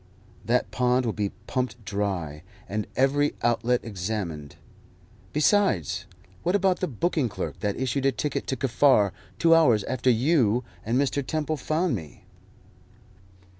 That pond will be pumped dry, and every outlet examined. Besides, what about the booking clerk that issued a ticket to Kaffar two hours after you and Mr. Temple found me?"